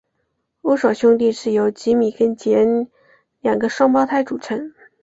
乌索兄弟是由吉米跟杰两个双胞胎组成。